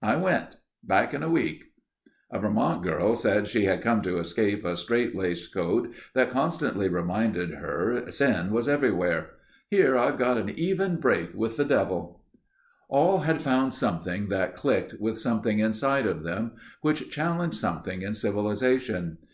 I went. Back in a week." A Vermont girl said she had come to escape a straightlaced code that constantly reminded her sin was everywhere. "Here I've got an even break with the devil...." All had found something that clicked with something inside of them which challenged something in civilization.